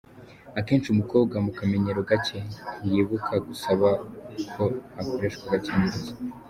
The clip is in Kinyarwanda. Akenshi umukobwa, mu kamenyero gake ntiyibuka gusaba ko hakoreshwa agakingirizo.